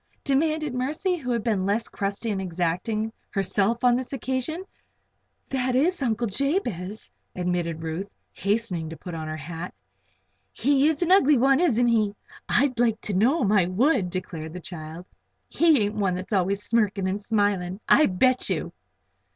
demanded Mercy, who had been less crusty and exacting herself on this occasion. "That is Uncle Jabez;" admitted Ruth, hastening to put on her hat. "He is an ugly one; isn't he? I'd like to know him, I would," declared the odd child. "He ain't one that's always smirking and smiling, I bet you!"